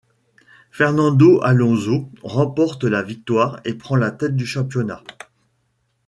Fernando Alonso remporte la victoire et prend la tête du championnat.